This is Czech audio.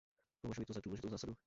Považuji to za důležitou zásadu.